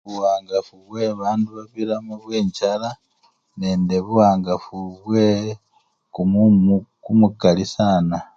Buwangafu nibwo babandu bafwilamo bwenjala nende buwangafu bwekumumu kumukali sana.